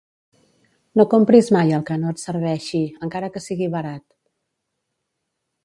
No compris mai el que no et serveixi, encara que sigui barat.